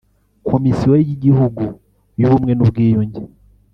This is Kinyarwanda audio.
Komisiyo y’igihugu y’Ubumwe n’ubwiyunge